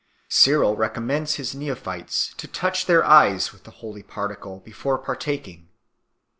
Cyril recommends his neophytes to touch their eyes with the holy particle before partaking.